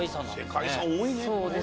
世界遺産多いね。